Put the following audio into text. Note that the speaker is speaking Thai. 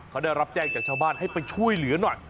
เขาได้รับแจ้งจากชาวบ้านให้ไปช่วยเหลือหน่อย